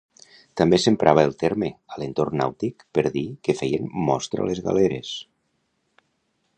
També s'emprava el terme, a l'entorn nàutic, per dir que feien mostra les galeres.